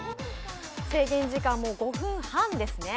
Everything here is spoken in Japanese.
制限時間５分半ですね。